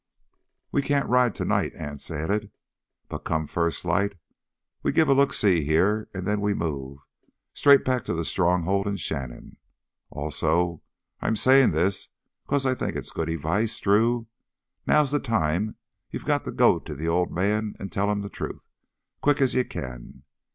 "We can't ride tonight," Anse added. "But come first light we give a look see here an' then we move—straight back to th' Stronghold an' Shannon. Also—I'm sayin' this 'cause I think it's good advice, Drew. Now's th' time you've got to go to th' Old Man an' tell him th' truth, quick as you can.